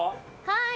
はい。